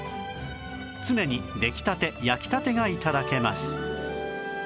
常に出来たて焼きたてが頂けます